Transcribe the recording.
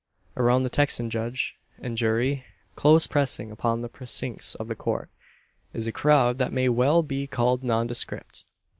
Around the Texan judge and jury close pressing upon the precincts of the Court is a crowd that may well be called nondescript.